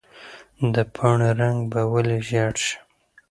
د پاڼې رنګ به ولې ژېړ شي؟